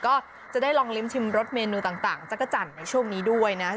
ก็จะได้ลองลิ้มชิมรสเมนูต่างจักรจันทร์ในช่วงนี้ด้วยนะ